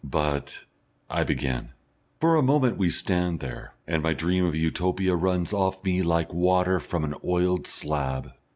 "But " I begin. For a moment we stand there, and my dream of Utopia runs off me like water from an oiled slab.